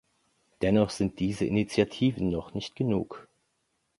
Dennoch sind diese Initiativen noch nicht genug.